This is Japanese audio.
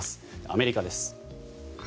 アメリカです。